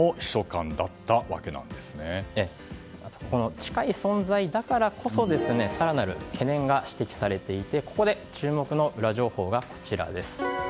近い存在だからこそ更なる懸念が指摘されていてここで注目のウラ情報がこちらです。